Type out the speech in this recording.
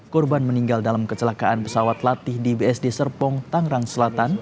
korban meninggal dalam kecelakaan pesawat latih di bsd serpong tangerang selatan